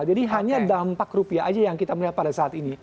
jadi hanya dampak rupiah saja yang kita melihat pada saat ini